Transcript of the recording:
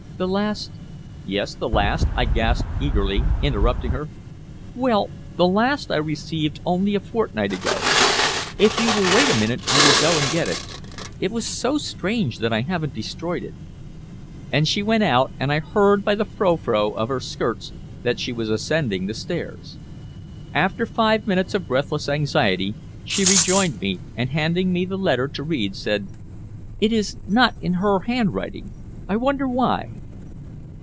The last " "Yes, the last?" I gasped eagerly, interrupting her. "Well, the last I received only a fortnight ago. If you will wait a moment I will go and get it. It was so strange that I haven't destroyed it." And she went out, and I heard by the frou frou of her skirts that she was ascending the stairs. After five minutes of breathless anxiety she rejoined me, and handing me the letter to read, said: "It is not in her handwriting I wonder why?"